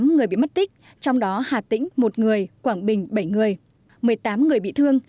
tám người bị mất tích trong đó hà tĩnh một người quảng bình bảy người một mươi tám người bị thương